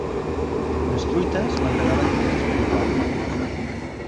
Les truites m'agradaven totes per igual.